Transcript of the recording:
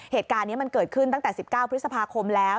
เหตุการณ์นี้มันเกิดขึ้นตั้งแต่๑๙พฤษภาคมแล้ว